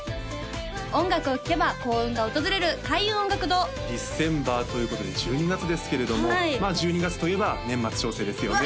音楽を聴けば幸運が訪れる開運音楽堂ディセンバーということで１２月ですけれども１２月といえば年末調整ですよね